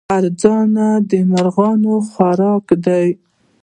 ارزن د مرغانو خوراک دی.